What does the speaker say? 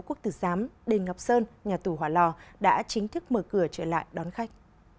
quốc tử giám đền ngọc sơn nhà tù hòa lò đã chính thức mở cửa trở lại đón khách